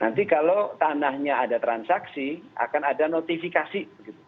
nanti kalau tanahnya ada transaksi akan ada notifikasi